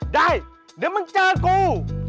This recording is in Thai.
ได้เดี๋ยวมึงเจอกู